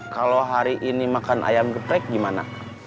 kalau hari ini makan ayam geprek gimana